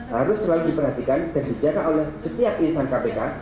harus selalu diperhatikan dan dijaga oleh setiap insan kpk